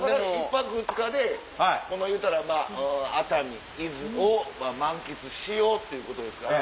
１泊２日でいうたらまぁ熱海伊豆を満喫しようっていうことですから。